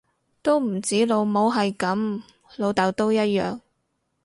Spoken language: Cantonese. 都唔止老母係噉，老竇都一樣